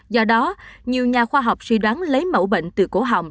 do đó nhiều nhà khoa học suy đoán lấy mẫu bệnh từ cổ họng